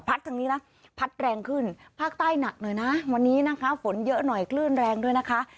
ทางนี้นะพัดแรงขึ้นภาคใต้หนักหน่อยนะวันนี้นะคะฝนเยอะหน่อยคลื่นแรงด้วยนะคะ